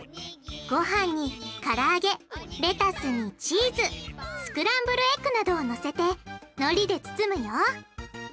ごはんにからあげレタスにチーズスクランブルエッグなどをのせてのりで包むよ！